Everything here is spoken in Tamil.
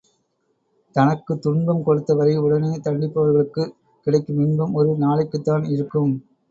தனக்குத் துன்பம் கொடுத்தவரை உடனே தண்டிப்பவர்களுக்குக் கிடைக்கும் இன்பம் ஒரு நாளைக்குத் தான் இருக்கும்.